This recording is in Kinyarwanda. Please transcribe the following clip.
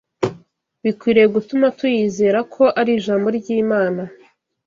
bikwiriye gutuma tuyizera ko ari Ijambo ry’Imana.